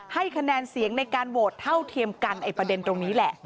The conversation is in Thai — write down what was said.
ให้คะแนนเสียงในการโหวตเท่าเทียมกันไอ้ประเด็นตรงนี้แหละ